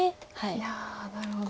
いやなるほど。